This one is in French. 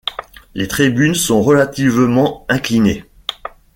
Les tribunes sont relativement inclinées.